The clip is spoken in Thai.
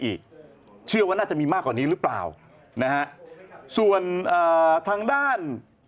อีกเชื่อว่าน่าจะมีมากกว่านี้หรือเปล่านะฮะส่วนอ่าทางด้าน